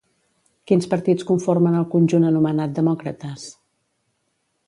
Quins partits conformen el conjunt anomenat Demòcrates?